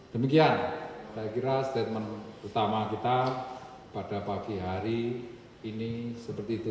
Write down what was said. demikian saya kira statement utama kita pada pagi hari ini seperti itu